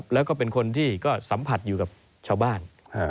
แล้วก็เป็นคนที่ก็สัมผัสอยู่กับชาวบ้าน